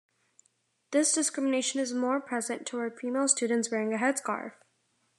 This discrimination is more present towards female students wearing a headscarf.